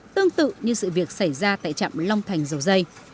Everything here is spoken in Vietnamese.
tương tự như sự việc xảy ra tại trạm long thành dầu dây